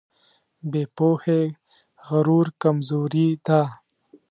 بې پوهې غرور کمزوري ده.